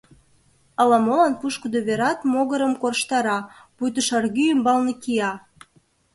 Ала-молан пушкыдо верат могырым корштара, пуйто шаргӱ ӱмбалне кия.